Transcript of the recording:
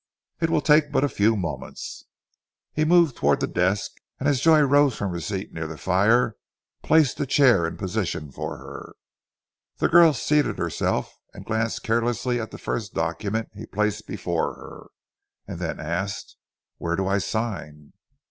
"It will take but a few moments." He moved towards the desk, and as Joy rose from her seat near the fire placed a chair in position for her. The girl seated herself, glanced carelessly at the first document he placed before her, and then asked, "Where do I sign?"